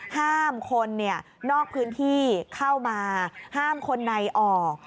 ห้ามคนนอกพื้นที่เข้ามาห้ามคนในออก